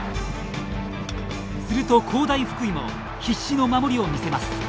すると工大福井も必死の守りを見せます。